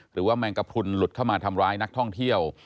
แมงกระพรุนหลุดเข้ามาทำร้ายนักท่องเที่ยว